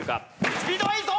スピードはいいぞ！